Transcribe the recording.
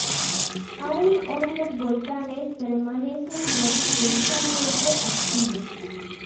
Aún hoy los volcanes permanecen potencialmente activos.